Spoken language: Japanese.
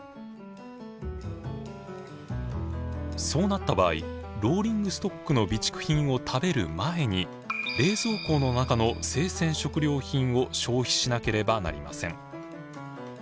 そうなった場合ローリングストックの備蓄品を食べる前に冷蔵庫の中の生鮮食料品を消費しなければなりません。